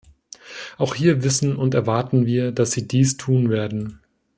Auch hier wissen und erwarten wir, dass Sie dies tun werden.